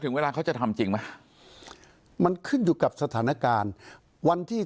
เวลาเขาจะทำจริงไหมมันขึ้นอยู่กับสถานการณ์วันที่